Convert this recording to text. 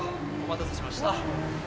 お待たせしました。